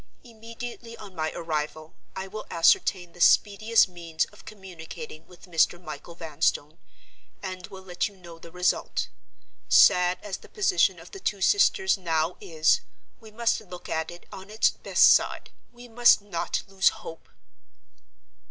Immediately on my arrival, I will ascertain the speediest means of communicating with Mr. Michael Vanstone; and will let you know the result. Sad as the position of the two sisters now is, we must look at it on its best side; we must not lose hope."